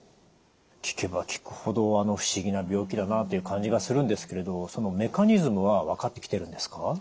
聞けば聞くほど不思議な病気だなという感じがするんですけれどそのメカニズムは分かってきてるんですか？